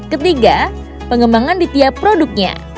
ketiga pengembangan di tiap produknya